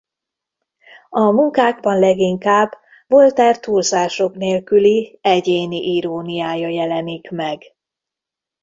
A munkákban leginkább Voltaire túlzások nélküli egyéni iróniája jelenik meg.